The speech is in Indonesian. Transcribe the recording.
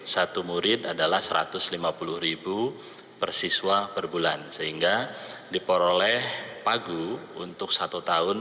satu murid adalah rp satu ratus lima puluh persiswa per bulan sehingga diporoleh pagu untuk satu tahun